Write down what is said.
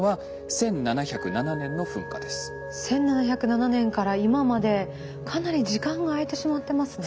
１７０７年から今までかなり時間が空いてしまってますね。